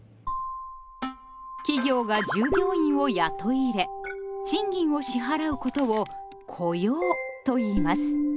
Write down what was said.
企業が従業員を雇い入れ賃金を支払うことを「雇用」といいます。